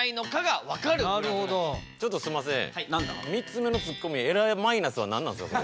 ３つ目のツッコミえらいマイナスは何なんですか？